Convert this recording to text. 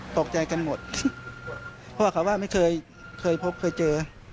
ตกใจกันหมดเพราะว่าเขาว่าไม่เคยเคยพบเคยเจอ